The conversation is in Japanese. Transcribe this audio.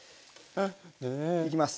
いきます。